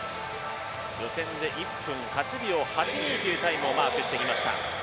予選で１分８秒８２というタイムをマークしてきました。